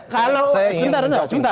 kalau sebentar sebentar